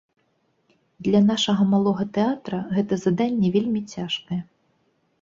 Для нашага малога тэатра гэта заданне вельмі цяжкае.